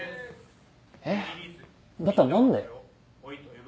えっだったら何で？